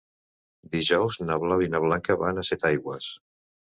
Dijous na Blau i na Blanca van a Setaigües.